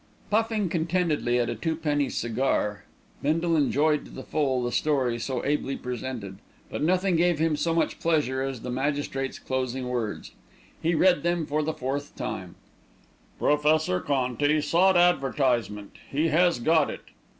Puffing contentedly at a twopenny cigar, Bindle enjoyed to the full the story so ably presented; but nothing gave him so much pleasure as the magistrate's closing words. He read them for the fourth time: "Professor Conti sought advertisement; he has got it.